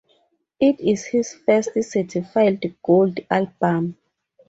It is his first certified Gold album.